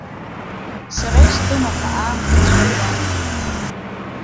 Сара истәым, аха аамҭа цәгьаӡам.